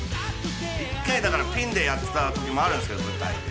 一回だからピンでやってたときもあるんですけど舞台で。